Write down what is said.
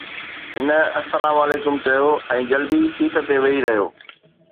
هن السلام عليڪم چيو ۽ جلدي سيٽ تي ويهي رهيو.